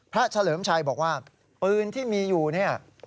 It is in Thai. เฉลิมชัยบอกว่าปืนที่มีอยู่เนี่ย